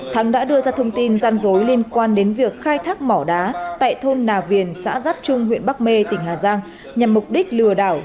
thắng đã đưa ra thông tin gian dối liên quan đến việc khai thác mỏ đá tại thôn nà viền xã giáp trung huyện bắc mê tỉnh hà giang nhằm mục đích lừa đảo